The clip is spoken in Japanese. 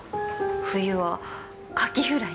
冬はカキフライ。